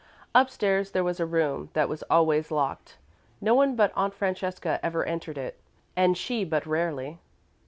Upstairs there was a room that was always locked. No one but Aunt Francesca ever entered it, and she but rarely.